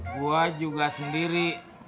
gua juga sendiri